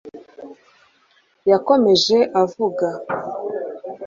Yakomeje avuga